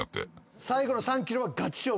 最後の３ｋｍはガチ勝負なんだ。